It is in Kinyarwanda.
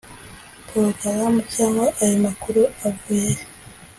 porogaramu cyangwa ayo makuru avuye he?